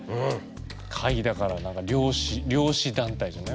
貝だから何か漁師漁師団体じゃない？